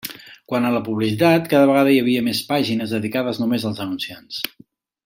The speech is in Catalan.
Quant a la publicitat, cada vegada hi havia més pàgines dedicades només als anunciants.